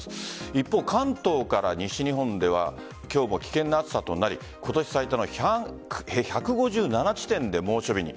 一方、関東から西日本では今日も危険な暑さとなり今年最多の１５７地点で猛暑日に。